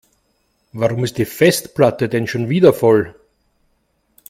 Warum ist die Festplatte denn schon wieder voll?